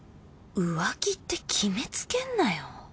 浮気って決めつけんなよ